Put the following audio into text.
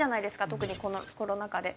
特にこのコロナ禍で。